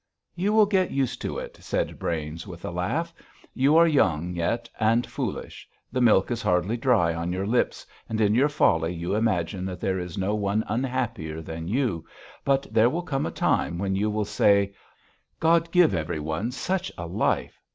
"You will get used to it," said Brains with a laugh. "You are young yet and foolish; the milk is hardly dry on your lips, and in your folly you imagine that there is no one unhappier than you, but there will come a time when you will say: God give every one such a life!